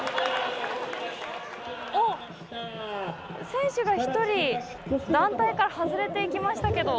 選手が１人団体から外れていきましたけど。